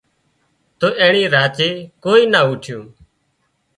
تو اينڻي راچي ڪوئي نا اوٺيون